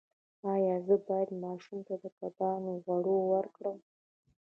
ایا زه باید ماشوم ته د کبانو غوړي ورکړم؟